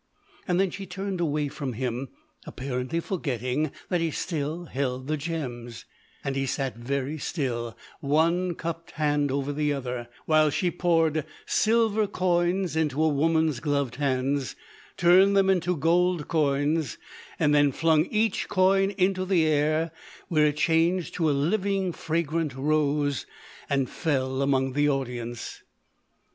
Then she turned away from him, apparently forgetting that he still held the gems, and he sat very still, one cupped hand over the other, while she poured silver coins into a woman's gloved hands, turned them into gold coins, then flung each coin into the air, where it changed to a living, fragrant rose and fell among the audience.